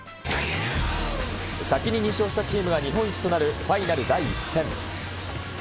先に２勝したチームが日本一となるファイナル第１戦。